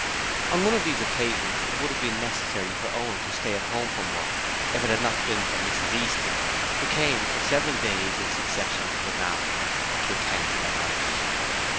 On one of these occasions it would have been necessary for Owen to stay at home from work if it had not been for Mrs Easton, who came for several days in succession to look after her and attend to the house.